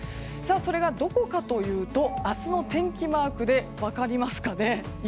それがどこかというと明日の天気マークで分かりますかね。